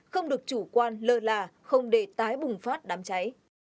không được chủ quan lơ là không để tái bùng phát đám cháy